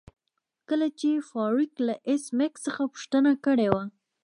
کله چې فارویک له ایس میکس څخه پوښتنه کړې وه